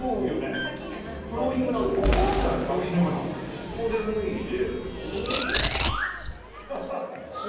ここで脱いで。